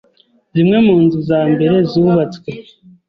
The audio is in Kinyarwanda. Zimwe mu nzu za mbere zubatswe